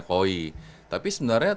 koi tapi sebenarnya